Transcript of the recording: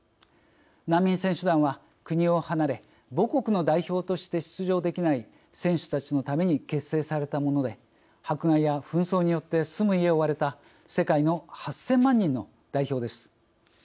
難民選手団は国を離れ母国の代表として出場できない選手たちのために結成されたもので迫害や紛争によって住む家を追われた世界の８，０００万人の代表です。